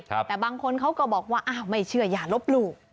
แต่บางคนเขาก็บอกว่าอ้าวไม่เชื่ออย่าลบหลู่